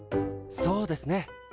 そうですね。